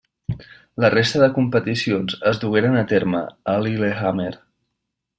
La resta de competicions es dugueren a terme a Lillehammer.